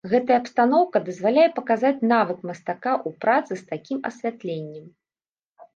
Гэтая абстаноўка дазваляе паказаць навык мастака ў працы з такім асвятленнем.